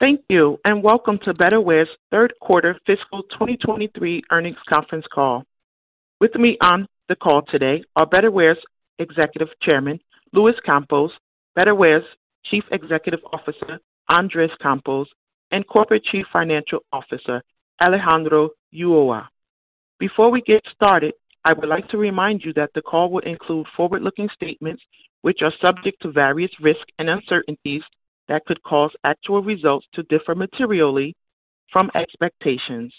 Thank you, and welcome to Betterware's third quarter fiscal 2023 earnings conference call. With me on the call today are Betterware's Executive Chairman, Luis Campos, Betterware's Chief Executive Officer, Andres Campos, and Corporate Chief Financial Officer, Alejandro Ulloa. Before we get started, I would like to remind you that the call will include forward-looking statements, which are subject to various risks and uncertainties that could cause actual results to differ materially from expectations.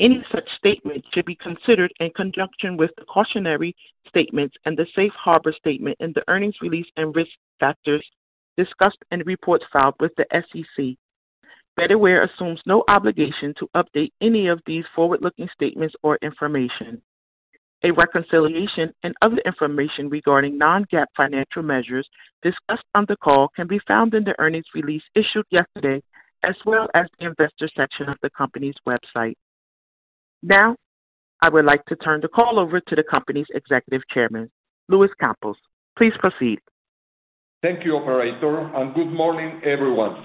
Any such statements should be considered in conjunction with the cautionary statements and the safe harbor statement in the earnings release and risk factors discussed and reports filed with the SEC. Betterware assumes no obligation to update any of these forward-looking statements or information. A reconciliation and other information regarding non-GAAP financial measures discussed on the call can be found in the earnings release issued yesterday, as well as the investor section of the company's website. Now, I would like to turn the call over to the company's Executive Chairman, Luis Campos. Please proceed. Thank you, operator, and good morning, everyone.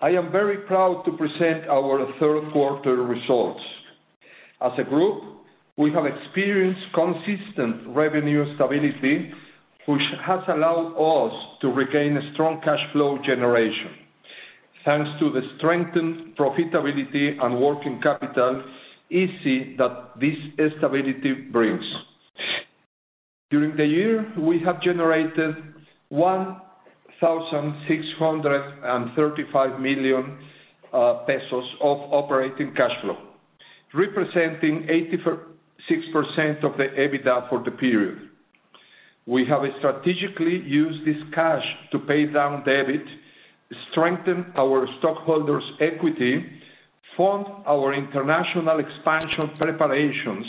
I am very proud to present our third quarter results. As a group, we have experienced consistent revenue stability, which has allowed us to regain a strong cash flow generation. Thanks to the strengthened profitability and working capital efficiency that this stability brings. During the year, we have generated 1,635 million pesos of operating cash flow, representing 84.6% of the EBITDA for the period. We have strategically used this cash to pay down debt, strengthen our stockholders' equity, fund our international expansion preparations,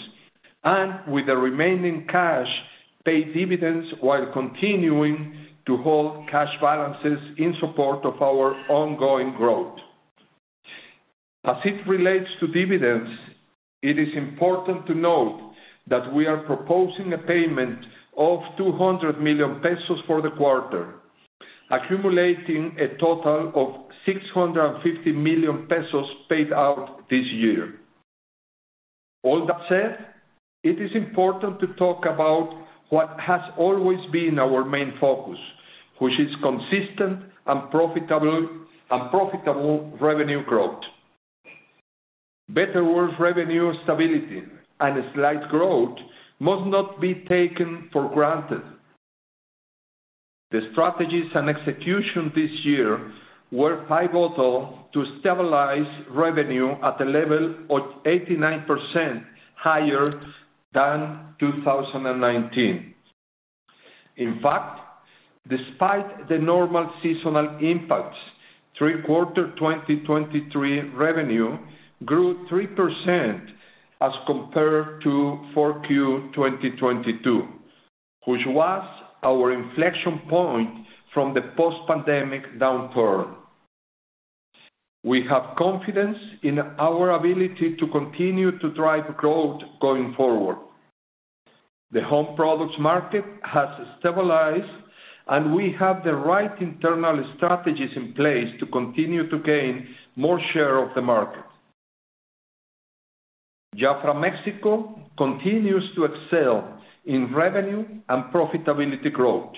and with the remaining cash, pay dividends while continuing to hold cash balances in support of our ongoing growth. As it relates to dividends, it is important to note that we are proposing a payment of 200 million pesos for the quarter, accumulating a total of 650 million pesos paid out this year. All that said, it is important to talk about what has always been our main focus, which is consistent and profitable, and profitable revenue growth. Betterware revenue stability and a slight growth must not be taken for granted. The strategies and execution this year were pivotal to stabilize revenue at a level of 89% higher than 2019. In fact, despite the normal seasonal impacts, 3Q 2023 revenue grew 3% as compared to 4Q 2022, which was our inflection point from the post-pandemic downturn. We have confidence in our ability to continue to drive growth going forward. The home products market has stabilized, and we have the right internal strategies in place to continue to gain more share of the market. Jafra Mexico continues to excel in revenue and profitability growth.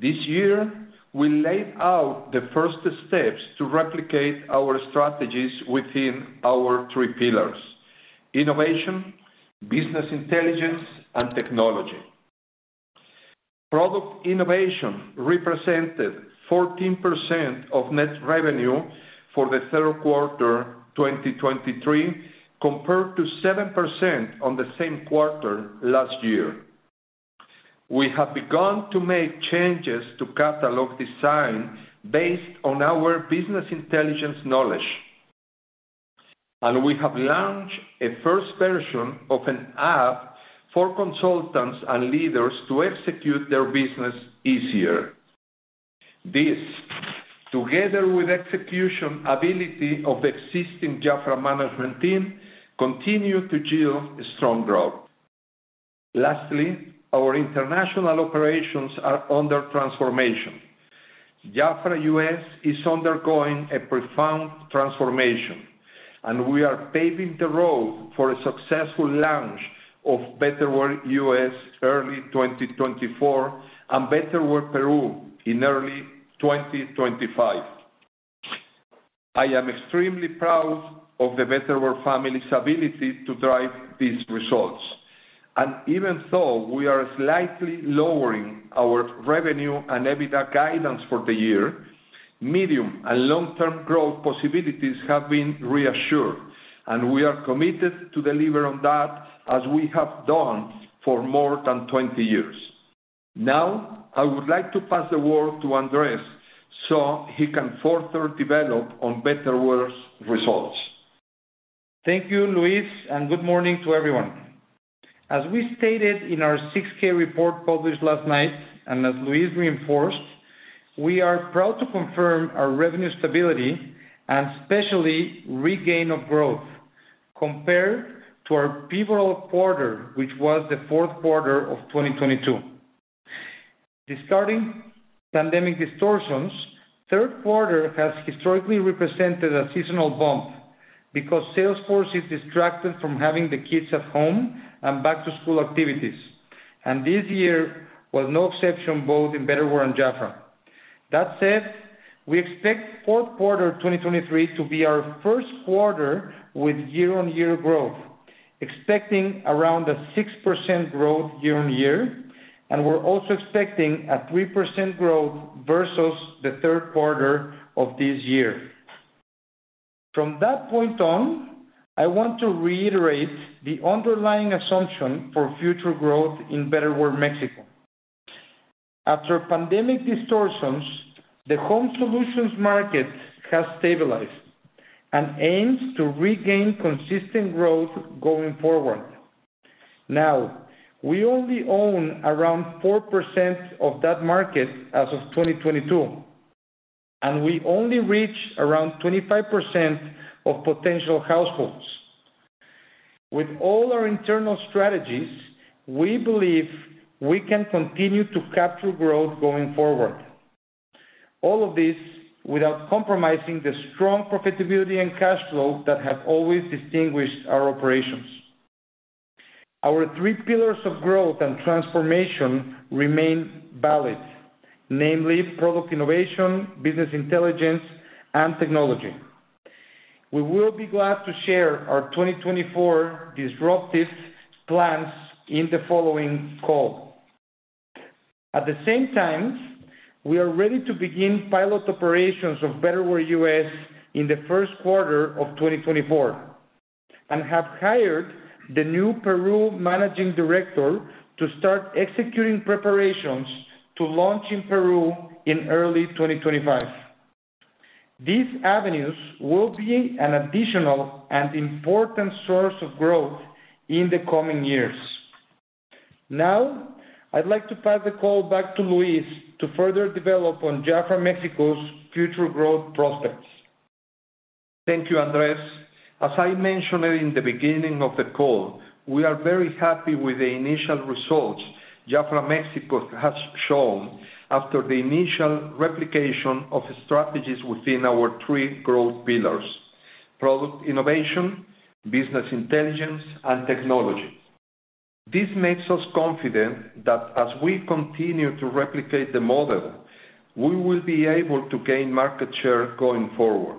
This year, we laid out the first steps to replicate our strategies within our three pillars: innovation, business intelligence, and technology. Product innovation represented 14% of net revenue for the third quarter 2023, compared to 7% on the same quarter last year. We have begun to make changes to catalog design based on our business intelligence knowledge, and we have launched a first version of an app for consultants and leaders to execute their business easier. This, together with execution ability of the existing Jafra management team, continue to yield strong growth. Lastly, our international operations are under transformation. Jafra US is undergoing a profound transformation, and we are paving the road for a successful launch of Betterware US early 2024 and Betterware Peru in early 2025. I am extremely proud of the Betterware family's ability to drive these results. And even so, we are slightly lowering our revenue and EBITDA guidance for the year. Medium and long-term growth possibilities have been reassured, and we are committed to deliver on that as we have done for more than 20 years. Now, I would like to pass the word to Andres so he can further develop on Betterware's results. Thank you, Luis, and good morning to everyone. As we stated in our 6-K report published last night, and as Luis reinforced, we are proud to confirm our revenue stability and especially regain of growth compared to our pivotal quarter, which was the Q4 of 2022. Discarding pandemic distortions, third quarter has historically represented a seasonal bump because sales force is distracted from having the kids at home and back to school activities, and this year was no exception, both in Betterware and Jafra. That said, we expect Q4 2023 to be our first quarter with year-on-year growth, expecting around 6% growth year-on-year, and we're also expecting 3% growth versus the third quarter of this year. From that point on, I want to reiterate the underlying assumption for future growth in Betterware Mexico. After pandemic distortions, the home solutions market has stabilized and aims to regain consistent growth going forward. Now, we only own around 4% of that market as of 2022, and we only reach around 25% of potential households. With all our internal strategies, we believe we can continue to capture growth going forward. All of this without compromising the strong profitability and cash flow that have always distinguished our operations. Our three pillars of growth and transformation remain valid, namely product innovation, business intelligence, and technology. We will be glad to share our 2024 disruptive plans in the following call. At the same time, we are ready to begin pilot operations of Betterware US in the first quarter of 2024, and have hired the new Peru managing director to start executing preparations to launch in Peru in early 2025. These avenues will be an additional and important source of growth in the coming years. Now, I'd like to pass the call back to Luis to further develop on JAFRA Mexico's future growth prospects. Thank you, Andres. As I mentioned in the beginning of the call, we are very happy with the initial results JAFRA Mexico has shown after the initial replication of strategies within our three growth pillars: product innovation, business intelligence, and technology. This makes us confident that as we continue to replicate the model, we will be able to gain market share going forward.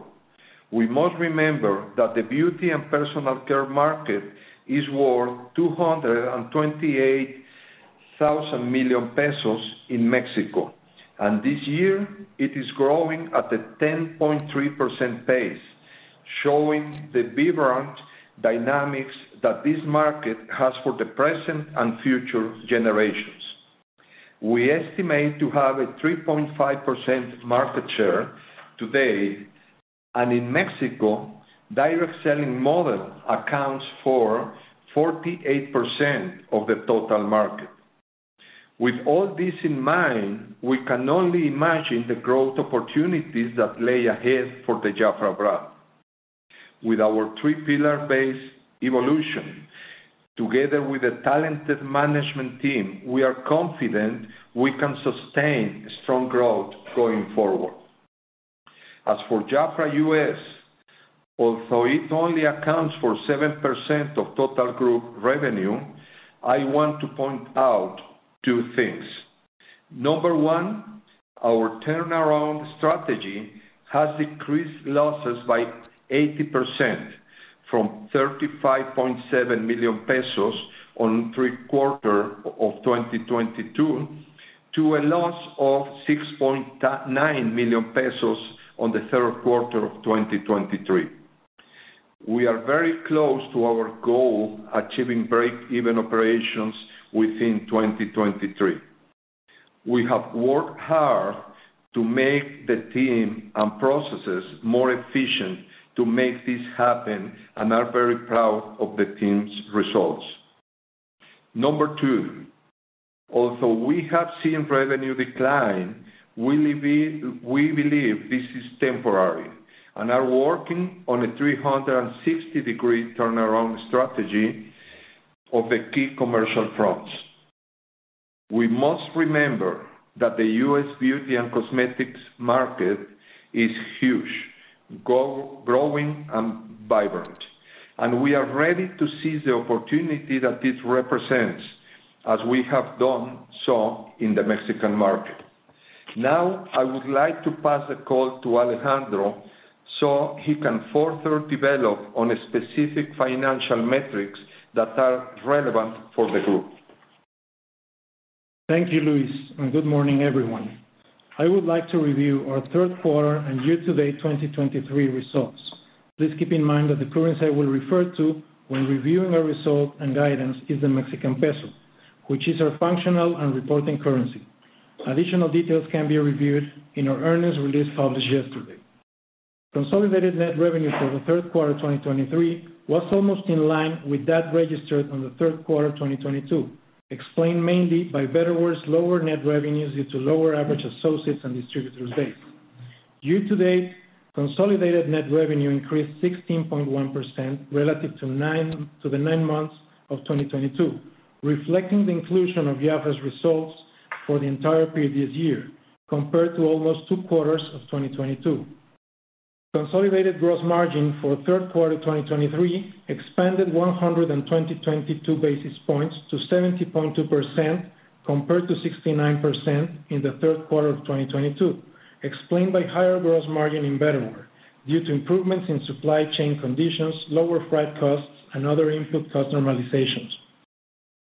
We must remember that the beauty and personal care market is worth 228 billion pesos in Mexico, and this year it is growing at a 10.3% pace, showing the vibrant dynamics that this market has for the present and future generations. We estimate to have a 3.5% market share today, and in Mexico, direct selling model accounts for 48% of the total market. With all this in mind, we can only imagine the growth opportunities that lay ahead for the JAFRA brand. With our three pillar-based evolution, together with a talented management team, we are confident we can sustain strong growth going forward. As for JAFRA US, although it only accounts for 7% of total group revenue, I want to point out two things. Number one, our turnaround strategy has decreased losses by 80%, from 35.7 million pesos in the third quarter of 2022, to a loss of 6.9 million pesos in the third quarter of 2023. We are very close to our goal, achieving break-even operations within 2023. We have worked hard to make the team and processes more efficient to make this happen and are very proud of the team's results. Number two, although we have seen revenue decline, we believe this is temporary and are working on a 360-degree turnaround strategy of the key commercial fronts. We must remember that the US beauty and cosmetics market is huge, growing, and vibrant, and we are ready to seize the opportunity that this represents, as we have done so in the Mexican market. Now, I would like to pass the call to Alejandro so he can further develop on specific financial metrics that are relevant for the group. Thank you, Luis, and good morning, everyone. I would like to review our third quarter and year-to-date 2023 results. Please keep in mind that the currency I will refer to when reviewing our results and guidance is the Mexican peso, which is our functional and reporting currency. Additional details can be reviewed in our earnings release published yesterday. Consolidated net revenue for the third quarter of 2023 was almost in line with that registered on the third quarter of 2022, explained mainly by Betterware's lower net revenues due to lower average associates and distributors base.... Year-to-date, consolidated net revenue increased 16.1% relative to the nine months of 2022, reflecting the inclusion of Jafra's results for the entire previous year, compared to almost two quarters of 2022. Consolidated gross margin for third quarter 2023 expanded 122 basis points to 70.2%, compared to 69% in the third quarter of 2022, explained by higher gross margin in Betterware due to improvements in supply chain conditions, lower freight costs, and other input cost normalizations.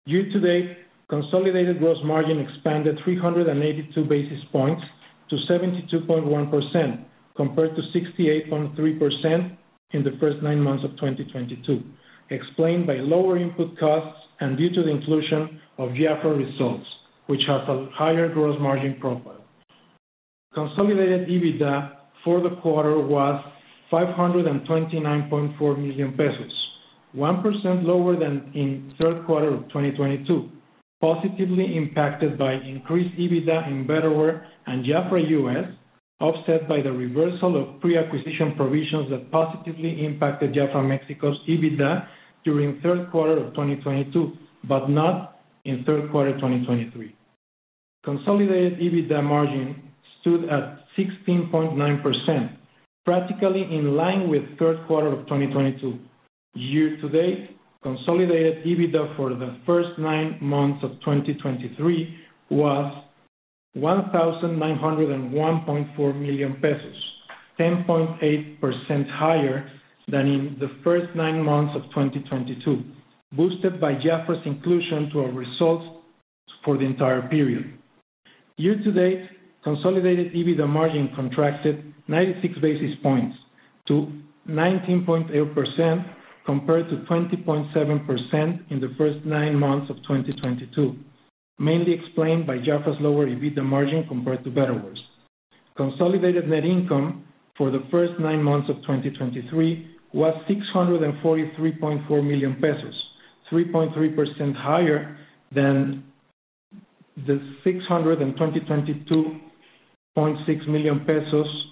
Year-to-date, consolidated gross margin expanded 382 basis points to 72.1%, compared to 68.3% in the first nine months of 2022, explained by lower input costs and due to the inclusion of Jafra results, which have a higher gross margin profile. Consolidated EBITDA for the quarter was 529.4 million pesos, 1% lower than in third quarter of 2022, positively impacted by increased EBITDA in Betterware and Jafra US, offset by the reversal of pre-acquisition provisions that positively impacted Jafra Mexico's EBITDA during third quarter of 2022, but not in third quarter 2023. Consolidated EBITDA margin stood at 16.9%, practically in line with third quarter of 2022. Year-to-date, consolidated EBITDA for the first nine months of 2023 was 1,901.4 million pesos, 10.8% higher than in the first nine months of 2022, boosted by Jafra's inclusion to our results for the entire period. Year-to-date, consolidated EBITDA margin contracted 96 basis points to 19.8%, compared to 20.7% in the first nine months of 2022, mainly explained by JAFRA's lower EBITDA margin compared to Betterware's. Consolidated net income for the first nine months of 2023 was 643.4 million pesos, 3.3% higher than the 622.6 million pesos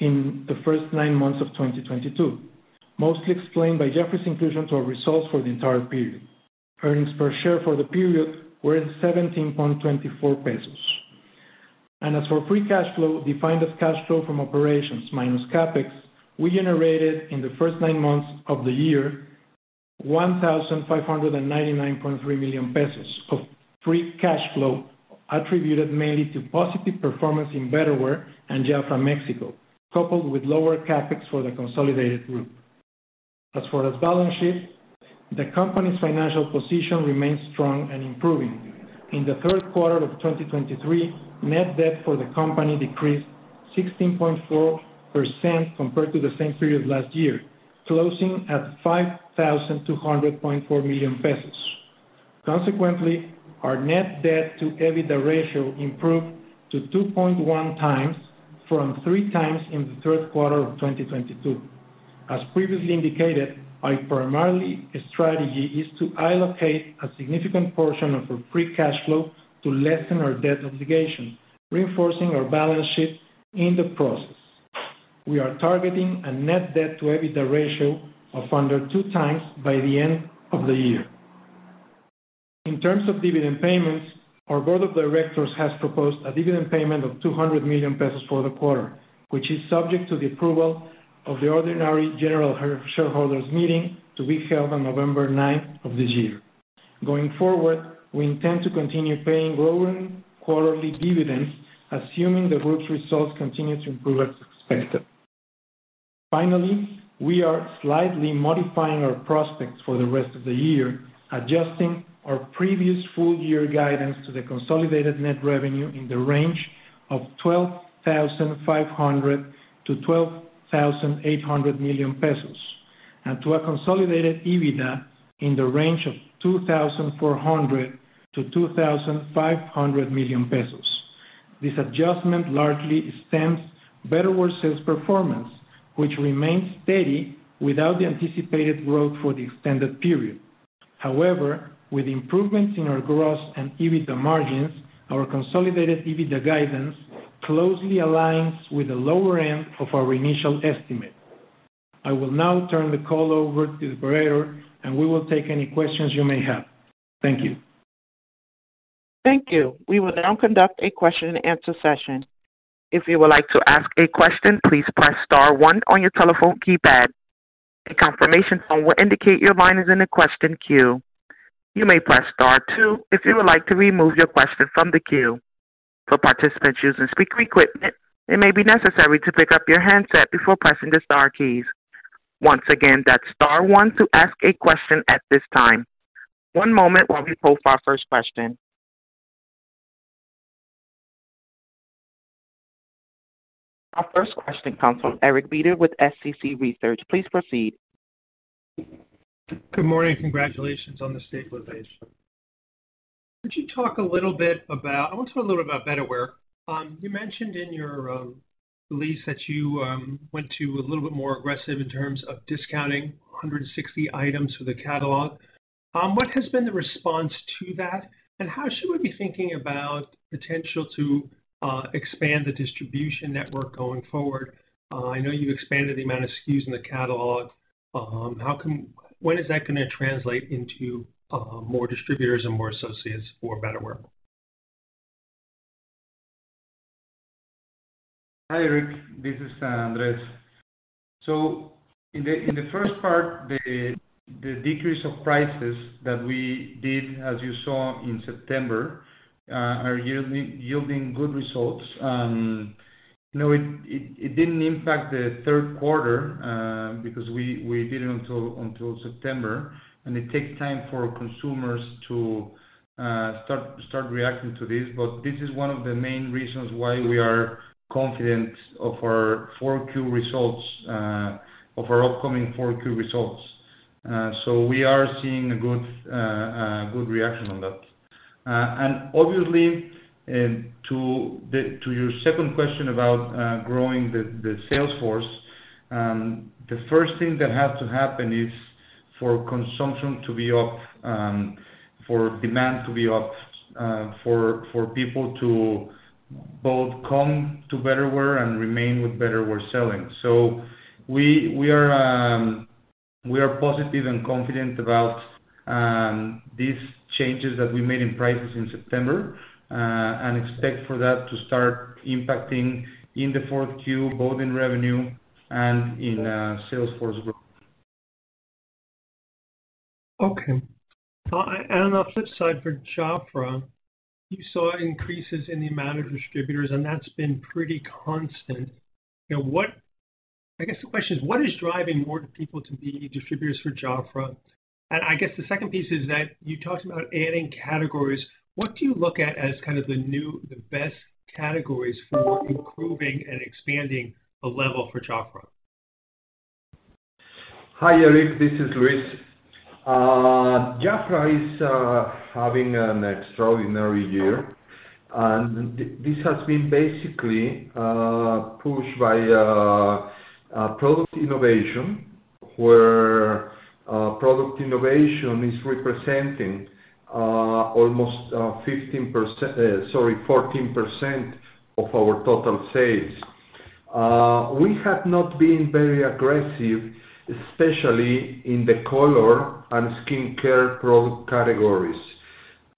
in the first nine months of 2022, mostly explained by JAFRA's inclusion to our results for the entire period. Earnings per share for the period were 17.24 pesos. As for free cash flow, defined as cash flow from operations minus CapEx, we generated in the first nine months of the year, 1,599.3 million pesos of free cash flow, attributed mainly to positive performance in Betterware and Jafra Mexico, coupled with lower CapEx for the consolidated group. As for the balance sheet, the company's financial position remains strong and improving. In the third quarter of 2023, net debt for the company decreased 16.4% compared to the same period last year, closing at 5,200.4 million pesos. Consequently, our net debt to EBITDA ratio improved to 2.1 times from 3 times in the third quarter of 2022. As previously indicated, our primary strategy is to allocate a significant portion of our free cash flow to lessen our debt obligation, reinforcing our balance sheet in the process. We are targeting a net debt to EBITDA ratio of under 2x by the end of the year. In terms of dividend payments, our board of directors has proposed a dividend payment of 200 million pesos for the quarter, which is subject to the approval of the ordinary general shareholders meeting to be held on November ninth of this year. Going forward, we intend to continue paying growing quarterly dividends, assuming the group's results continue to improve as expected. Finally, we are slightly modifying our prospects for the rest of the year, adjusting our previous full year guidance to the consolidated net revenue in the range of 12,500 million-12,800 million pesos, and to a consolidated EBITDA in the range of 2,400 million-2,500 million pesos. This adjustment largely stems Betterware sales performance, which remains steady without the anticipated growth for the extended period. However, with improvements in our gross and EBITDA margins, our consolidated EBITDA guidance closely aligns with the lower end of our initial estimate. I will now turn the call over to the operator, and we will take any questions you may have. Thank you. Thank you. We will now conduct a question-and-answer session. If you would like to ask a question, please press star one on your telephone keypad. A confirmation tone will indicate your line is in the question queue. You may press star two if you would like to remove your question from the queue. For participants using speaker equipment, it may be necessary to pick up your handset before pressing the star keys. Once again, that's star one to ask a question at this time. One moment while we poll for our first question. Our first question comes from Eric Beder with SCC Research. Please proceed. Good morning. Congratulations on the stabilization. I want to talk a little about Betterware. You mentioned in your release that you went a little bit more aggressive in terms of discounting 160 items for the catalog. What has been the response to that, and how should we be thinking about potential to expand the distribution network going forward? I know you've expanded the amount of SKUs in the catalog. When is that gonna translate into more distributors and more associates for Betterware? Hi, Eric, this is Andres. So in the first part, the decrease of prices that we did, as you saw in September, are yielding good results. No, it didn't impact the third quarter, because we did it until September, and it takes time for consumers to start reacting to this. But this is one of the main reasons why we are confident of our four Q results, of our upcoming four Q results. So we are seeing a good reaction on that. And obviously, to your second question about growing the sales force, the first thing that has to happen is for consumption to be up, for demand to be up, for people to both come to Betterware and remain with Betterware selling. So we are positive and confident about these changes that we made in prices in September, and expect for that to start impacting in the Q4, both in revenue and in sales force growth. Okay. And on the flip side, for JAFRA, you saw increases in the amount of distributors, and that's been pretty constant. Now, what is driving more people to be distributors for JAFRA? And I guess the second piece is that you talked about adding categories. What do you look at as kind of the new, the best categories for improving and expanding the level for JAFRA? Hi, Eric, this is Luis. Jafra is having an extraordinary year, and this has been basically pushed by product innovation, where product innovation is representing almost 15%, sorry, 14% of our total sales. We have not been very aggressive, especially in the color and skincare product categories.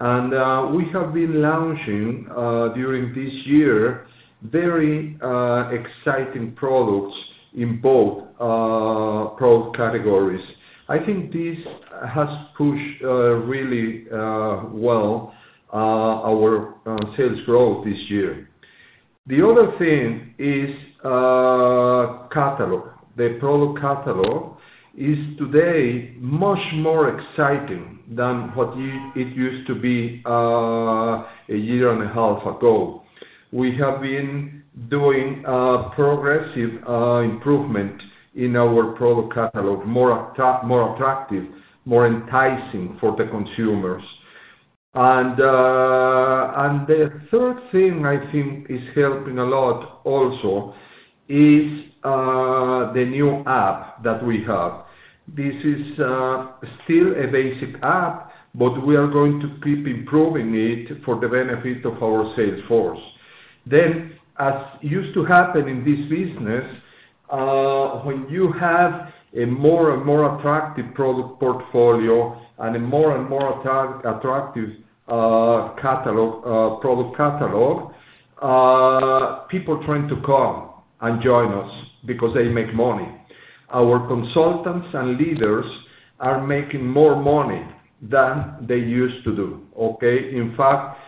We have been launching during this year very exciting products in both product categories. I think this has pushed really well our sales growth this year. The other thing is catalog. The product catalog is today much more exciting than what it used to be a year and a half ago. We have been doing progressive improvement in our product catalog, more attractive, more enticing for the consumers. And, and the third thing I think is helping a lot also is the new app that we have. This is still a basic app, but we are going to keep improving it for the benefit of our sales force. Then, as used to happen in this business, when you have a more and more attractive product portfolio and a more and more attractive catalog, product catalog, people trying to come and join us because they make money. Our consultants and leaders are making more money than they used to do, okay? In fact,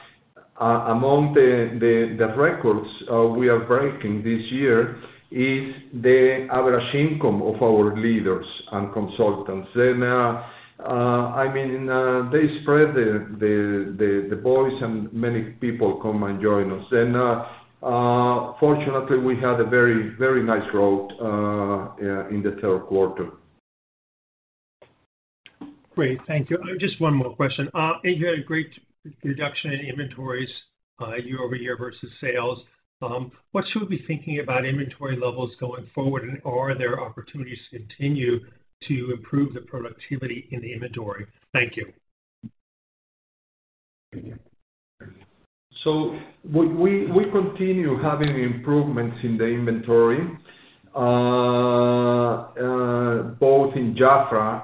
among the records we are breaking this year is the average income of our leaders and consultants. And, I mean, they spread the voice, and many people come and join us. Fortunately, we had a very, very nice road in the third quarter. Great. Thank you. Just one more question. You had a great reduction in inventories, year-over-year versus sales. What should we be thinking about inventory levels going forward, and are there opportunities to continue to improve the productivity in the inventory? Thank you. So we continue having improvements in the inventory both in JAFRA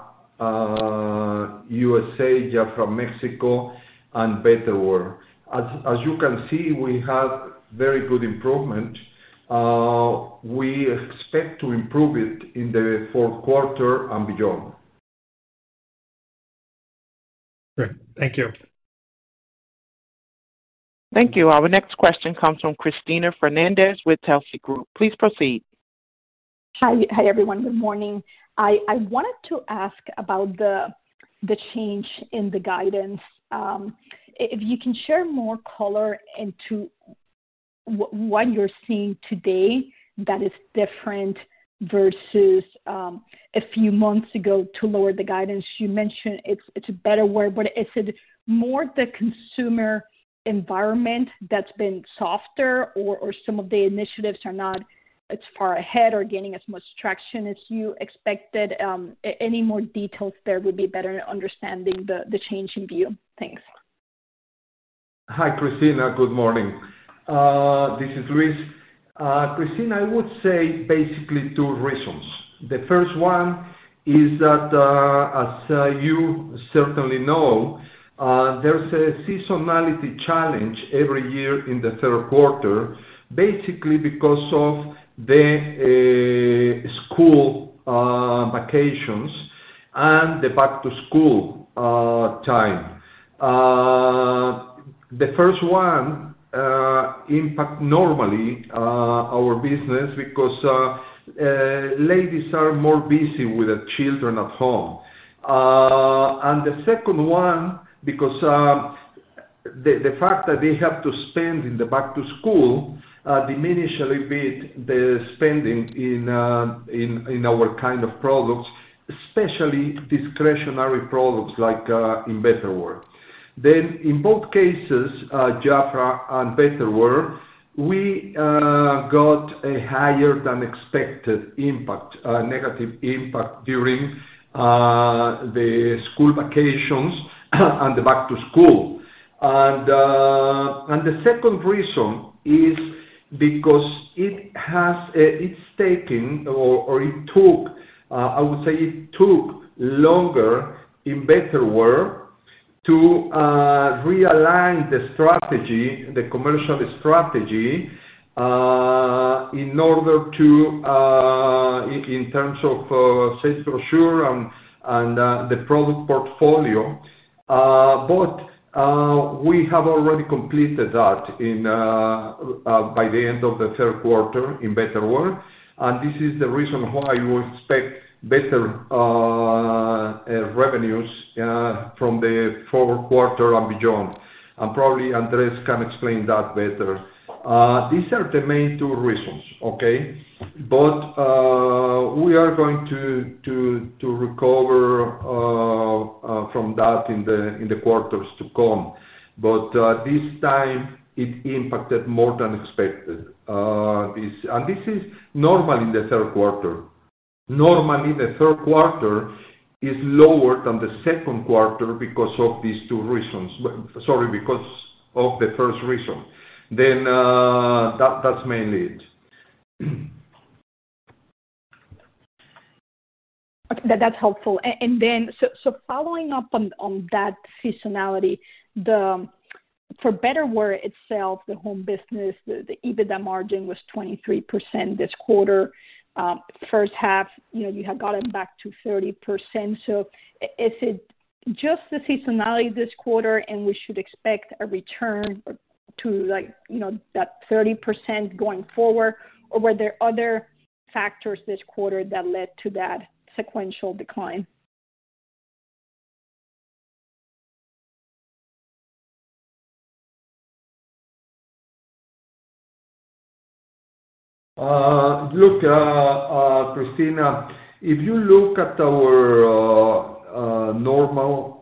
USA, JAFRA Mexico, and Betterware. As you can see, we have very good improvement. We expect to improve it in the Q4 and beyond. Great. Thank you. Thank you. Our next question comes from Christina Fernandez with Telsey Group. Please proceed. Hi. Hi, everyone. Good morning. I wanted to ask about the change in the guidance. If you can share more color into what you're seeing today that is different versus a few months ago to lower the guidance? You mentioned it's Betterware, but is it more the consumer environment that's been softer or some of the initiatives are not as far ahead or gaining as much traction as you expected? Any more details there would be better understanding the change in view. Thanks. Hi, Christina. Good morning. This is Luis. Christina, I would say basically two reasons. The first one is that, as you certainly know, there's a seasonality challenge every year in the third quarter, basically because of the school vacations and the back-to-school time. The first one impact normally our business because ladies are more busy with their children at home. And the second one, because the fact that they have to spend in the back to school diminishes a bit the spending in our kind of products, especially discretionary products like in Betterware. Then in both cases, Jafra and Betterware, we got a higher than expected impact, negative impact during the school vacations and the back to school. The second reason is because it is taking or it took, I would say it took longer in Betterware to realign the strategy, the commercial strategy, in order to, in terms of sales brochure and the product portfolio. We have already completed that by the end of the third quarter in Betterware, and this is the reason why we expect better revenues from the Q and beyond. Probably Andrés can explain that better. These are the main two reasons, okay? We are going to recover from that in the quarters to come. This time, it impacted more than expected. This is normal in the third quarter. Normally, the third quarter is lower than the second quarter because of these two reasons. Sorry, because of the first reason. Then, that, that's mainly it. Okay. That, that's helpful. And then, following up on that seasonality, for Betterware itself, the home business, the EBITDA margin was 23% this quarter. First half, you know, you had got it back to 30%. So is it just the seasonality this quarter, and we should expect a return to, like, you know, that 30% going forward? Or were there other factors this quarter that led to that sequential decline? Look, Christina, if you look at our normal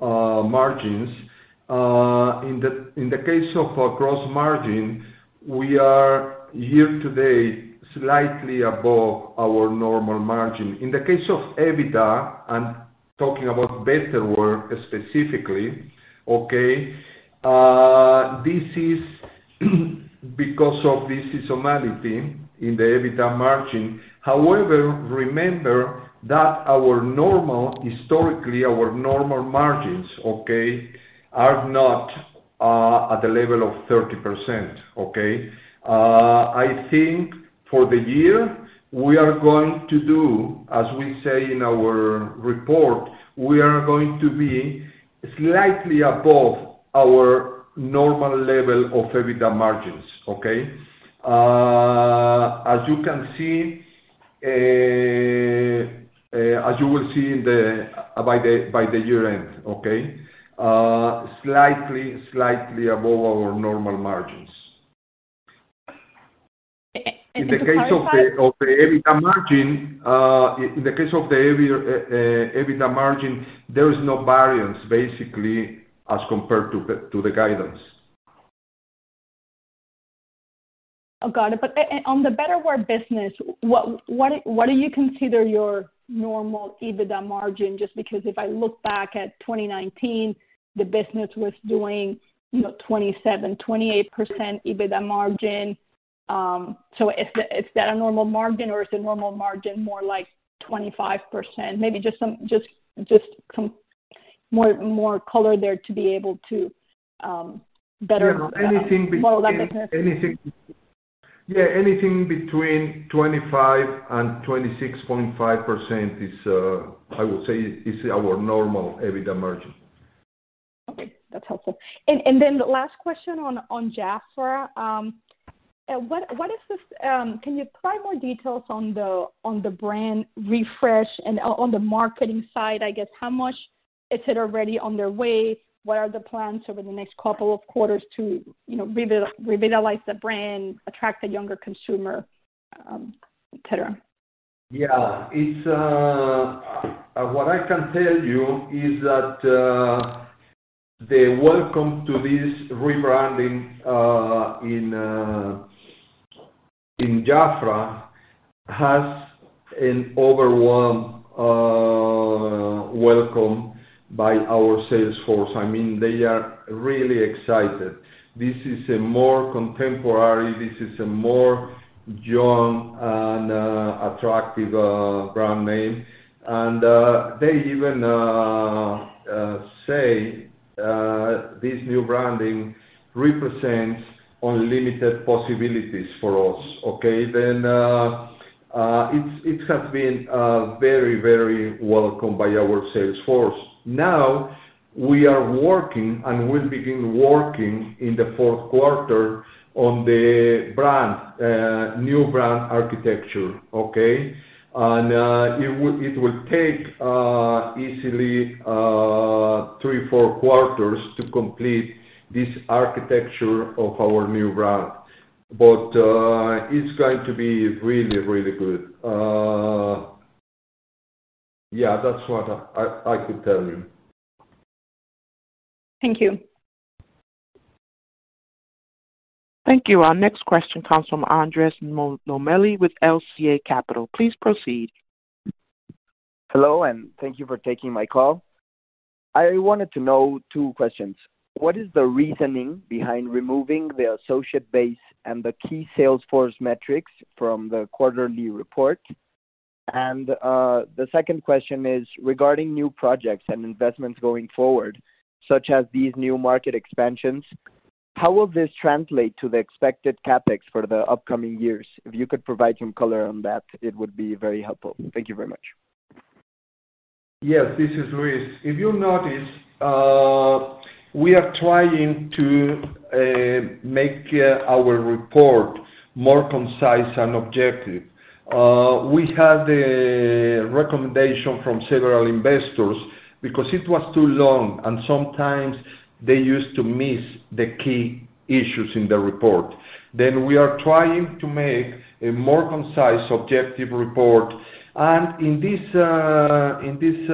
margins, in the case of our gross margin, we are here today slightly above our normal margin. In the case of EBITDA, I'm talking about Betterware specifically, okay? This is because of the seasonality in the EBITDA margin. However, remember that our normal, historically, our normal margins, okay, are not at the level of 30%, okay? I think for the year, we are going to do as we say in our report, we are going to be slightly above our normal level of EBITDA margins, okay? As you can see, as you will see in the by the year end, okay? Slightly, slightly above our normal margins. And to clarify- In the case of the EBITDA margin, there is no variance basically as compared to the guidance. Oh, got it. But on the Betterware business, what do you consider your normal EBITDA margin? Just because if I look back at 2019, the business was doing, you know, 27%-28% EBITDA margin. So is that a normal margin, or is the normal margin more like 25%? Maybe just some more color there to be able to better- Yeah, anything be- More about the business. Anything. Yeah, anything between 25% and 26.5% is, I would say is our normal EBITDA margin. Okay, that's helpful. And then the last question on JAFRA. What is this? Can you provide more details on the brand refresh and on the marketing side, I guess, how much is it already on their way? What are the plans over the next couple of quarters to, you know, revitalize the brand, attract a younger consumer, et cetera? Yeah. What I can tell you is that the welcome to this rebranding in JAFRA has an overwhelmed welcome by our sales force. I mean, they are really excited. This is a more contemporary, this is a more young and attractive brand name. I mean, they even say this new branding represents unlimited possibilities for us, okay? It has been very, very welcome by our sales force. Now, we are working, and we'll begin working in the Q4 on the new brand architecture, okay? It will take easily three, four quarters to complete this architecture of our new brand. I mean, it's going to be really, really good. Yeah, that's what I could tell you. Thank you. Thank you. Our next question comes from Andres Lomeli with LCA Capital. Please proceed. Hello, and thank you for taking my call. I wanted to know two questions: What is the reasoning behind removing the associate base and the key sales force metrics from the quarterly report? And, the second question is regarding new projects and investments going forward, such as these new market expansions, how will this translate to the expected CapEx for the upcoming years? If you could provide some color on that, it would be very helpful. Thank you very much. Yes, this is Luis. If you notice, we are trying to make our report more concise and objective. We had a recommendation from several investors because it was too long, and sometimes they used to miss the key issues in the report. Then, we are trying to make a more concise, objective report. And in this, in this,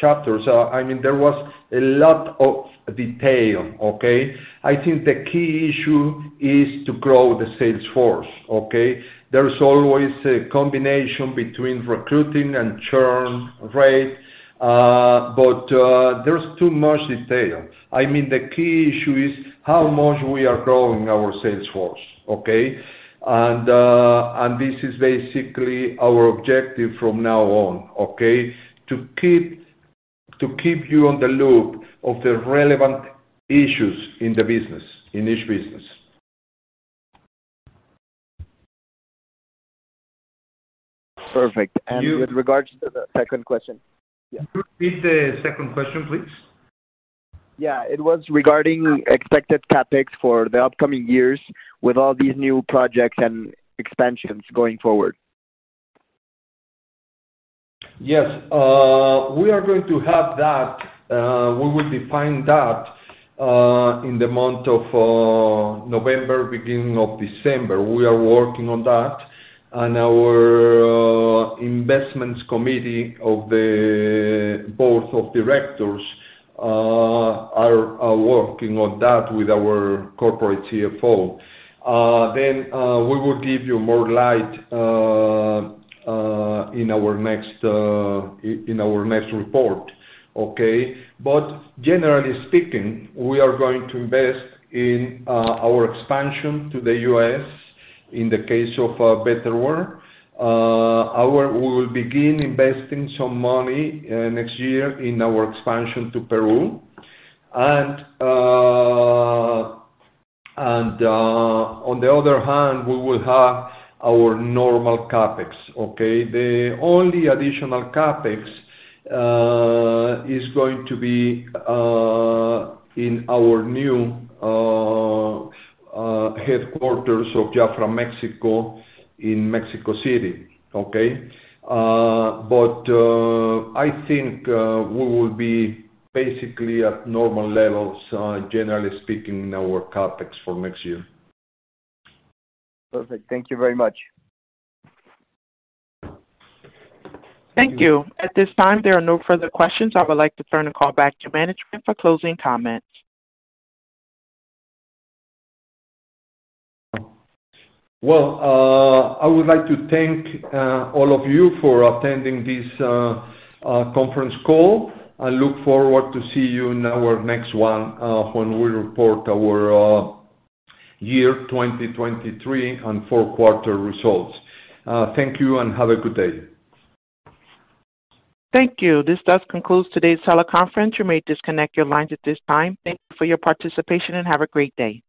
chapters, I mean, there was a lot of detail, okay? I think the key issue is to grow the sales force, okay? There is always a combination between recruiting and churn rate, but, there's too much detail. I mean, the key issue is how much we are growing our sales force, okay? And, and this is basically our objective from now on, okay? To keep, to keep you on the loop of the relevant issues in the business, in each business. Perfect. You- With regards to the second question. Yeah. Could you repeat the second question, please? Yeah. It was regarding expected CapEx for the upcoming years with all these new projects and expansions going forward. Yes. We are going to have that. We will define that in the month of November, beginning of December. We are working on that, and our investments committee of the board of directors are working on that with our corporate CFO. We will give you more light in our next report, okay? Generally speaking, we are going to invest in our expansion to the US, in the case of Betterware. We will begin investing some money next year in our expansion to Peru. On the other hand, we will have our normal CapEx, okay? The only additional CapEx is going to be in our new headquarters of Jafra Mexico in Mexico City, okay? I think we will be basically at normal levels, generally speaking, in our CapEx for next year. Perfect. Thank you very much. Thank you. At this time, there are no further questions. I would like to turn the call back to management for closing comments. Well, I would like to thank all of you for attending this conference call. I look forward to see you in our next one, when we report our year 2023 and Q4 results. Thank you and have a good day. Thank you. This does conclude today's teleconference. You may disconnect your lines at this time. Thank you for your participation, and have a great day.